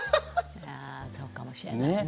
あそうかもしれないね。